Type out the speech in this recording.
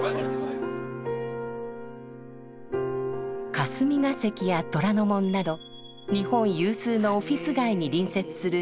霞が関や虎ノ門など日本有数のオフィス街に隣接する新橋。